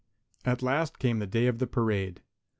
At last came the day of the parade.